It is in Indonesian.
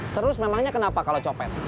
terus memangnya kenapa kalau copet